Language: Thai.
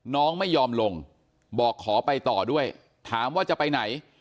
น้องไม่ยอมลงบอกขอไปต่อด้วยถามว่าจะไปไหน